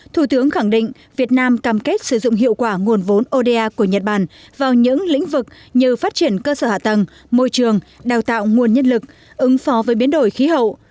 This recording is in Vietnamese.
thủ tướng khẳng định việt nam cam kết sử dụng hiệu quả nguồn vốn oda của nhật bản vào những lĩnh vực như phát triển cơ sở hạ tầng môi trường đào tạo nguồn nhân lực ứng phó với biến đổi khí hậu